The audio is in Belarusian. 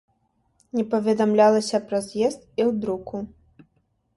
Не паведамлялася пра з'езд і ў друку.